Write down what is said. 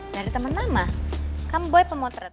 dari temen lama kamu boy pemotret